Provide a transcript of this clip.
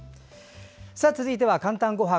続いては「かんたんごはん」。